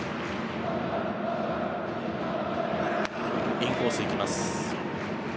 インコース、行きます。